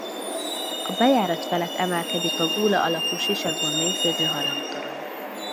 A bejárat felett emelkedik a gúla alakú sisakban végződő harangtorony.